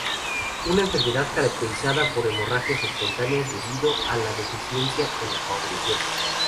Una enfermedad caracterizada por hemorragias espontáneas debido a la deficiencia en la coagulación.